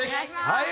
はい。